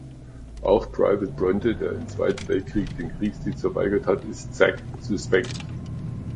Auch Private Bronte, der im Zweiten Weltkrieg den Kriegsdienst verweigert hat, ist Zack suspekt.